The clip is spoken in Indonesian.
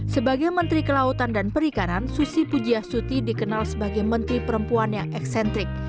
sebagai menteri kelautan dan perikanan susi pujiasuti dikenal sebagai menteri perempuan yang eksentrik